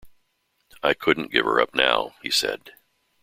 “I couldn’t give her up now,” he said.